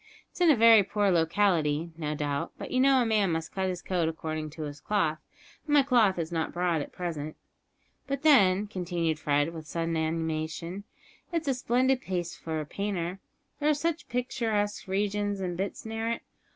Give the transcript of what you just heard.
It's in a very poor locality, no doubt, but you know a man must cut his coat according to his cloth, and my cloth is not broad at present. But then," continued Fred, with sudden animation, "it's a splendid place for a painter! There are such picturesque regions and bits near it.